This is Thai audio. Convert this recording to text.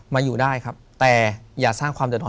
มาอยู่ได้ครับแต่อย่าสร้างความเดือดท้อ